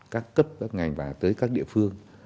các cấp các ngành và tới các địa phương